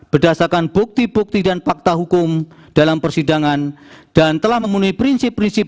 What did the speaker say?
berdasarkan bukti bukti dan fakta hukum dalam persidangan dan telah memenuhi prinsip prinsip